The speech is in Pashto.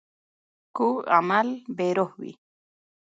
کوږ عمل بې روح وي